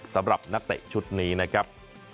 สำหรับนักเตะชุดนี้นะครับ